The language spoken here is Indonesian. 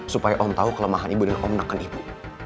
supaya om tahu kelemahan ibu dan om neken ibu